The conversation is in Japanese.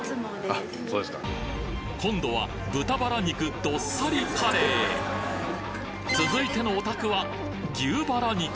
今度は豚バラ肉どっさりカレー続いてのお宅は牛バラ肉